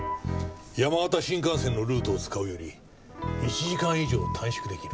山形新幹線のルートを使うより１時間以上短縮出来る。